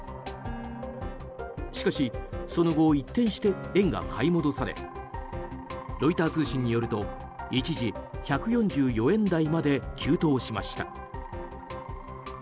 しかし、その後一転して円が買い戻されロイター通信によると、一時１４４円台まで急騰しました。